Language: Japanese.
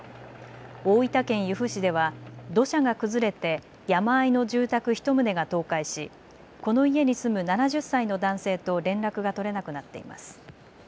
大分県由布市では土砂が崩れて山あいの住宅１棟が倒壊しこの家に住む７０歳の男性と連絡が取れなくなっています。